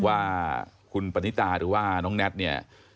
ว่าคุณปฏิตาหรือว่าน้องแน็ตเนี่ย